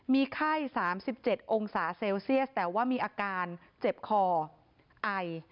มีไข้๓๗องศาเซลเซียสแต่ว่ามีอาการเจ็บคอไอ